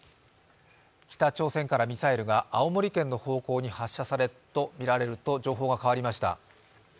北朝鮮からミサイルが青森県の方向に発射されたとみられると、情報が変わりました。